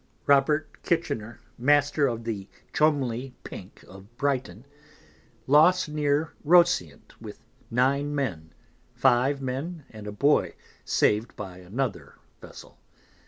Robert Kichener, Master of the Cholmley Pink of Brighton, lost near the Roseant with nine Men, five Men and a Boy saved by another Vessel.